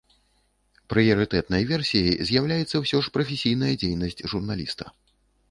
Прыярытэтнай версіяй з'яўляецца ўсё ж прафесійная дзейнасць журналіста.